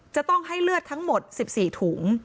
จะต้องให้เลือดทั้งหมด๑๔ถุง